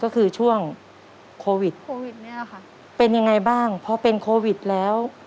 ก็คือช่วงโควิดโควิดเนี่ยค่ะเป็นยังไงบ้างพอเป็นโควิดแล้ว